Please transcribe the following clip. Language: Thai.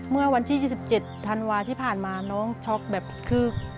เมื่อวันที่๒๗ธันวาที่ผ่านมาน้องช็อกแบบคือ